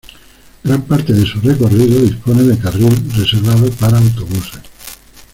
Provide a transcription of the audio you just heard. Gran parte de su recorrido dispone de carril reservado para autobuses.